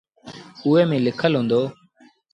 اُئي ميݩ لکل هُݩدو۔